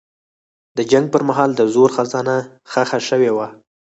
د جنګ پر مهال د زرو خزانه ښخه شوې وه.